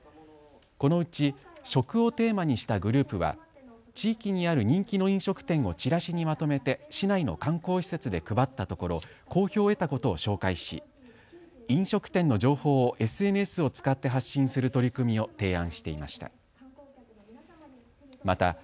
このうち食をテーマにしたグループは地域にある人気の飲食店をチラシにまとめて市内の観光施設で配ったところ好評を得たことを紹介し、飲食店の情報をＳＮＳを使って発信する取り組みを提案していました。